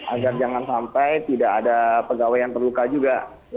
agar jangan sampai tidak ada pegawai yang terluka juga